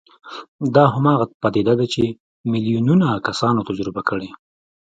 دا هماغه پديده ده چې ميليونونه کسانو تجربه کړې.